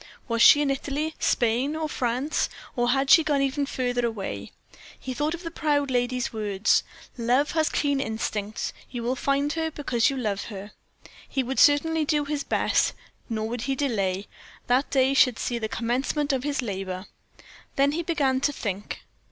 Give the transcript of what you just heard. Was she in Italy, Spain, or France? or had she even gone further away? He thought of the proud lady's words "love has keen instincts; you will find her because you love her." He would certainly do his best, nor would he delay that day should see the commencement of his labor. Then he began to think.